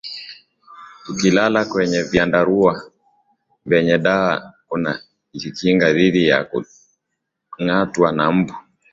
tukilala kwenye vyandarua vyenye dawa kunajikinga dhidi ya kungatwa na mbu